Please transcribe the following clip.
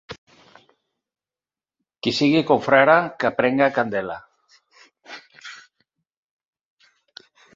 Qui siga confrare que prenga candela.